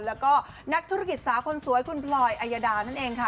แล้วก็นักธุรกิจสาวคนสวยคุณพลอยอายดานั่นเองค่ะ